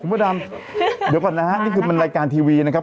พระดำเดี๋ยวก่อนนะฮะนี่คือมันรายการทีวีนะครับ